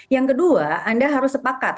yang kedua anda harus sepakat